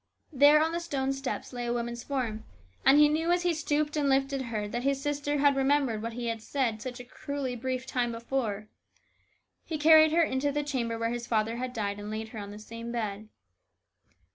There on the stone steps lay a woman's form, and he knew as he stooped and lifted her that his sister had remembered what he said such a cruelly brief time before. He carried her into the chamber where his father had died and laid her on the same bed.